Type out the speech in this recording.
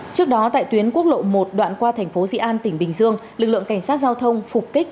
trước đó tại tuyến quốc lộ một đoạn qua tp di an tỉnh bình dương lực lượng cảnh sát giao thông phục kích